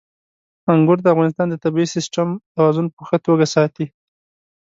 انګور د افغانستان د طبعي سیسټم توازن په ښه توګه ساتي.